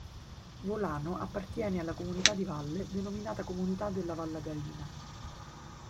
Volano appartiene alla comunità di valle denominata Comunità della Vallagarina.